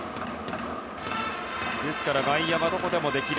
ですから外野はどこでもできる。